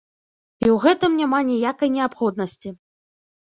І ў гэтым няма ніякай неабходнасці.